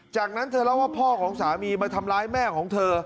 จากนั้นเธอเล่าว่าพ่อของสามีมาทำร้ายแม่ของเธอ